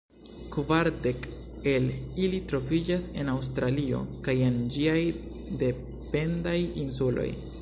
Kvar dek el ili troviĝas en Aŭstralio kaj en ĝiaj dependaj insuloj.